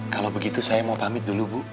kalau begitu saya mau pamit dulu bu